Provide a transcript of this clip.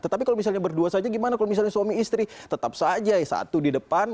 tetapi kalau misalnya berdua saja gimana kalau misalnya suami istri tetap saja satu di depan